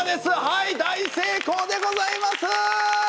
はい大成功でございます！